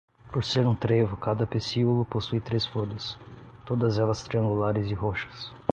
Por ser um trevo, cada pecíolo possui três folhas, todas elas triangulares e roxas.